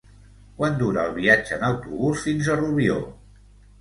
Quant dura el viatge en autobús fins a Rubió?